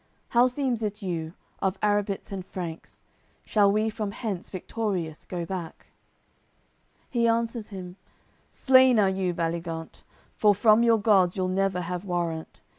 How seems it you, of Arrabits and Franks, Shall we from hence victorious go back?" He answers him: "Slain are you, Baligant! For from your gods you'll never have warrant.